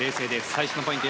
最初のポイント